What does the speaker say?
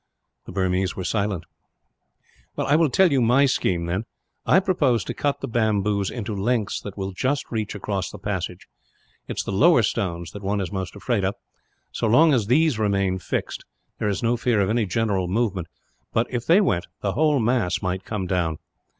The Burmese were silent, "I will tell you my scheme then. I propose to cut the bamboos into lengths that will just reach across the passage. It is the lower stones that one is most afraid of. So long as these remain fixed, there is no fear of any general movement but, if they went, the whole mass might come down.